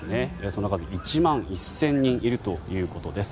その数、１万１０００人いるということです。